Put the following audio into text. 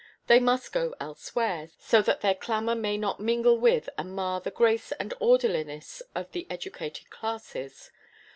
They must go elsewhere, so that their clamour may not mingle with and mar the grace and orderliness of the educated classes.